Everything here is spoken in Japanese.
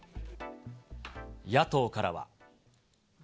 野党からは。